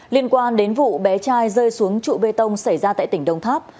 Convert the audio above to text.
liên quan đến vụ bé trai rơi xuống trụ bê tông xảy ra tại tỉnh đông tháp